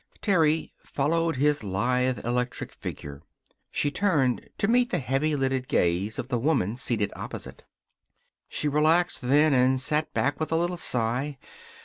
Terry followed his lithe, electric figure. She turned to meet the heavy lidded gaze of the woman seated opposite. She relaxed, then, and sat back with a little sigh.